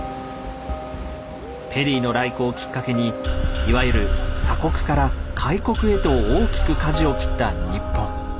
ペリーの来航をきっかけにいわゆる鎖国から開国へと大きくかじを切った日本。